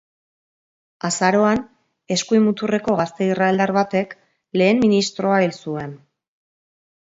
Azaroan, eskuin muturreko gazte israeldar batek lehen ministroa hil zuen.